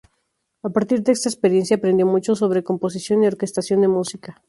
A partir de esta experiencia aprendió mucho sobre composición y orquestación de música.